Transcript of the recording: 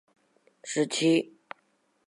近蕨嵩草为莎草科嵩草属下的一个变种。